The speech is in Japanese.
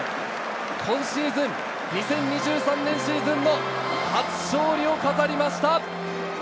今シーズン・２０２３年シーズンの初勝利を飾りました。